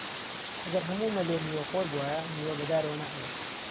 ئەگەر هەموو مەلێ میوەخۆر بوایە، میوە بەدارەوە نەئەما